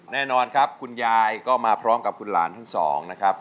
แน่นอนครับคุณยายก็มาพร้อมกับคุณหลานทั้งสองนะครับ